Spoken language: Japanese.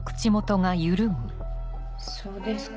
そうですか。